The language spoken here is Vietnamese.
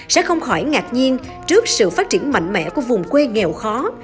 sẽ không khỏi ngạc nhiên trước sự phát triển mạnh mẽ của vùng quê nghèo khó